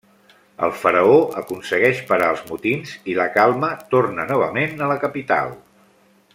El faraó aconsegueix parar els motins, i la calma torna novament a la capital.